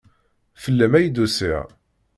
Fell-am ay d-usiɣ.